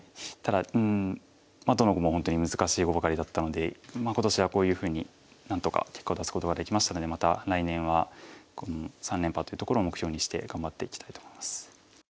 ただどの碁も本当に難しい碁ばかりだったので今年はこういうふうに何とか結果を出すことができましたのでまた来年は３連覇というところを目標にして頑張っていきたいと思います。